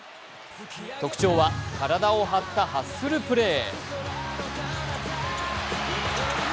特徴は体を張ったハッスルプレー。